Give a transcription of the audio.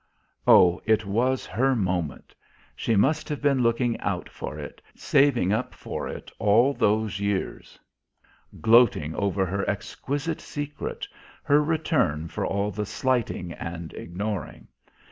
Oh, it was her moment. She must have been looking out for it, saving up for it, all those years; gloating over her exquisite secret, her return for all the slighting and ignoring.